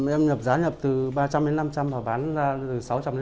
em nhập giá nhập từ ba trăm linh năm trăm linh và bán ra từ sáu trăm linh bảy trăm linh